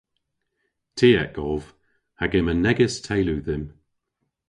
Tiek ov hag yma negys teylu dhymm.